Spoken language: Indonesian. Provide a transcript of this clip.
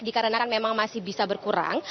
dikarenakan memang masih bisa berkurang